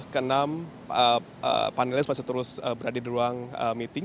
ke enam panelis masih terus berada di ruang meeting